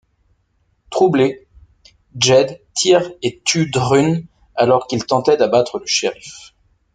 Troublé Jed tire et tue Drune alors qu'il tentait d'abattre le shérif.